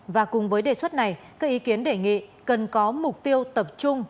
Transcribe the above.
và cùng với đề xuất này các ý kiến đề nghị cần có mục tiêu tập trung